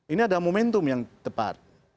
ini ada momentum yang tepat